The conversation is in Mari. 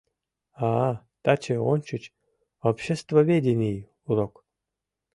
— А-а... таче ончыч обществоведений урок...